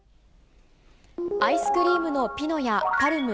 アイスクリームのピノやパルム